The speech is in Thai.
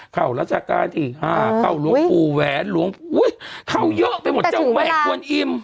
เข้ารักษาการที่๕เข้าหลวงภูแหวนหลวงอุ๊ยเข้าเยอะไปหมดเจ้าแม่กวนอิ่ม